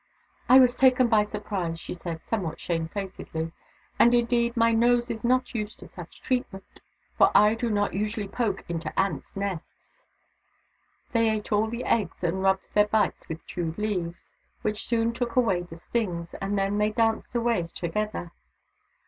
" I was taken by surprise," she said, somewhat shamefacedly. " And indeed, my nose is not used to such treatment, for I do not usually poke it into ants' nests !" They ate all the eggs, and rubbed their bites with chewed leaves, which soon took away the stings ; and then they danced away together.